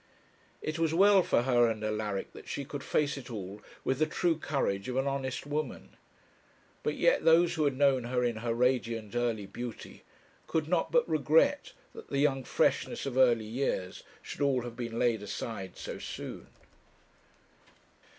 It was well for her and Alaric that she could face it all with the true courage of an honest woman. But yet those who had known her in her radiant early beauty could not but regret that the young freshness of early years should all have been laid aside so soon.